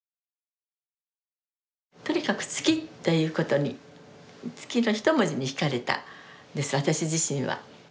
とにかく月っていうことに月の一文字にひかれたんです私自身は。